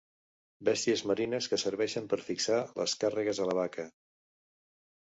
Bèsties marines que serveixen per fixar les càrregues a la baca.